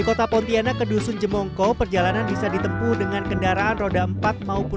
kota pontianak ke dusun jemongko perjalanan bisa ditempuh dengan kendaraan roda empat maupun